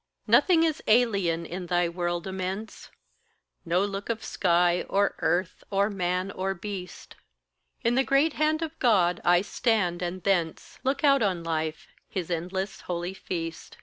Nothing is alien in thy world immense No look of sky or earth or man or beast; "In the great hand of God I stand, and thence" Look out on life, his endless, holy feast.